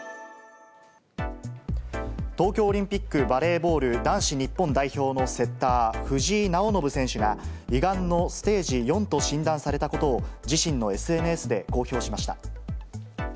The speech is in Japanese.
東京オリンピック、バレーボール男子日本代表のセッター、藤井直伸選手が、胃がんのステージ４と診断されたことを、